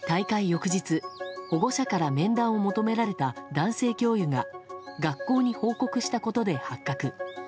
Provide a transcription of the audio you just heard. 翌日保護者から面談を求められた男性教諭が学校に報告したことで発覚。